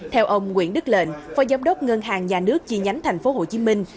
theo ông nguyễn đức lệnh phó giám đốc ngân hàng nhà nước chi nhánh thành phố hồ chí minh